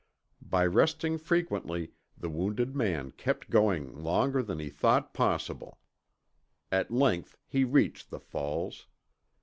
By resting frequently, the wounded man kept going longer than he thought possible. At length he reached the falls.